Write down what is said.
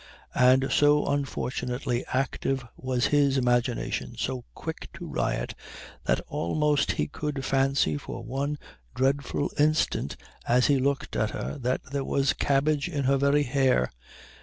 And so unfortunately active was his imagination, so quick to riot, that almost he could fancy for one dreadful instant as he looked at her that there was cabbage in her very hair.